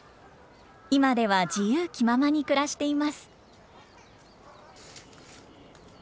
今では自由気ままに暮らしています。